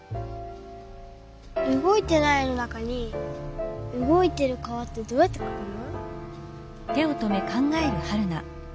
うごいてない絵の中にうごいてる川ってどうやってかくの？